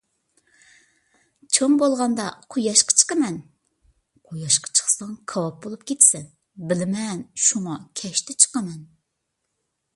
_ چوڭ بولغاندا، قۇياشقا چىقىمەن. _ قۇياشقا چىقساڭ، كاۋاپ بولۇپ كېتىسەن. _ بىلىمەن، شۇڭا كەچتە چىقىمەن.